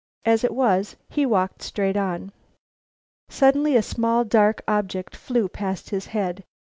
As it was, he walked straight on. Suddenly a small, dark object flew past his head.